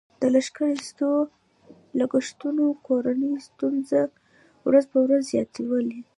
د لښکر ایستلو لګښتونو کورنۍ ستونزې ورځ په ورځ زیاتولې.